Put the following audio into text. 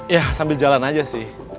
ya sambil jalan aja sih